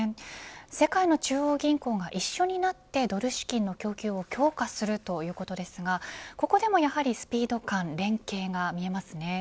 世界の中央銀行が一緒になってドル資金の供給を強化するということですがここでもやはりスピード感、連携が見えますね。